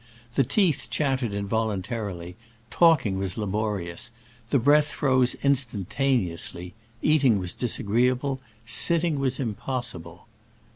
The teeth chattered involuntarily ; talking was la borious ; the breath froze instantaneous ly ; eating was disagreeable ; sitting was impossible.